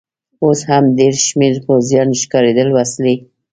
اوس هم ډېر شمېر پوځیان ښکارېدل، وسلې.